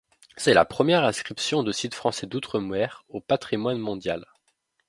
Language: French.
C'est la première inscription de sites français d'outre-mer au patrimoine mondial.